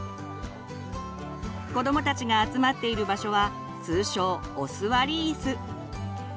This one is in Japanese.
子どもたちが集まっている場所は通称「お座りイス」。